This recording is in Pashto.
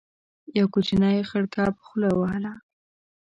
يو کوچنی خړ کب خوله وهله.